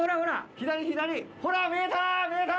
左左ほら見えた見えた！